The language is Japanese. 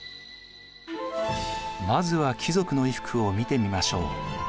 まずは貴族の衣服を見てみましょう。